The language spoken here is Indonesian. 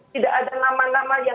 tidak ada nama nama yang